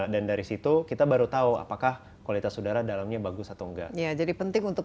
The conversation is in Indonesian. dari situ kita baru tahu apakah kualitas udara dalamnya bagus atau enggak ya jadi penting untuk